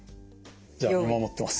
じゃあ見守ってます。